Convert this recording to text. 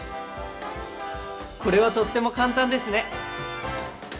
これはとっても簡単ですね！